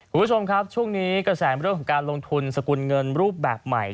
คุณผู้ชมครับช่วงนี้กระแสเรื่องของการลงทุนสกุลเงินรูปแบบใหม่